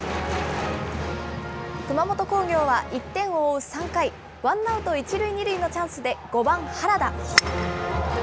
熊本工業は１点を追う３回、ワンアウト１塁２塁のチャンスで５番原田。